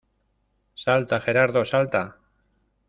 Salta, Gerardo, ¡salta!